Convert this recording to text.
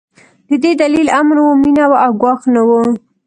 د دې دلیل امن و، مينه وه او ګواښ نه و.